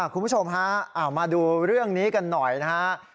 คุณผู้ชมฮะมาดูเรื่องนี้กันหน่อยนะฮะ